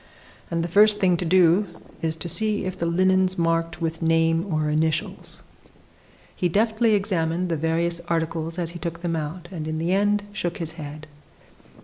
And the first thing to do is to see if the linen's marked with name or initials." He deftly examined the various articles as he took them out, and in the end shook his head.